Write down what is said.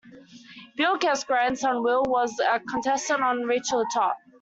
Bill Guest's grandson, Will, was a contestant on "Reach for the Top".